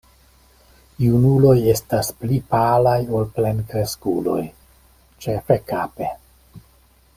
Junuloj estas pli palaj ol plenkreskuloj, ĉefe kape.